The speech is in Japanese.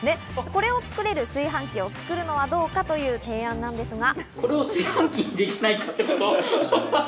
これを作れる炊飯器を作るのはどうかという提案なんですが。